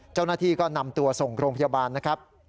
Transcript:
เจ้าหน้าที่ก็นำตัวส่งโรงพยาบาลนะครับ